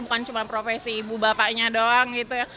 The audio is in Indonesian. bukan cuma profesi ibu bapaknya doang gitu ya